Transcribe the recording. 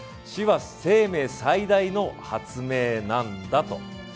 「死は生命最大の発明なんだ」と。